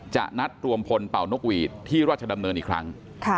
นัดรวมพลเป่านกหวีดที่ราชดำเนินอีกครั้ง